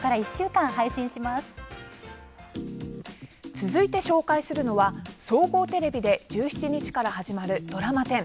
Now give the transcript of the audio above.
続いて紹介するのは総合テレビで１７日から始まるドラマ１０